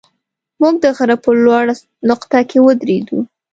موږ د غره په لوړه نقطه کې ودرېدو.